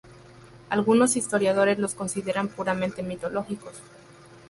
Algunos historiadores los consideran puramente mitológicos.